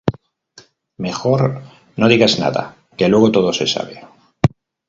Mejor no digas nada que luego todo se sabe